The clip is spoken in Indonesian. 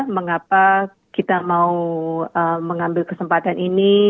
mengapa kita mau mengambil kesempatan ini